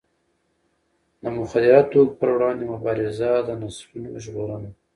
د مخدره توکو پر وړاندې مبارزه د نسلونو ژغورنه ده.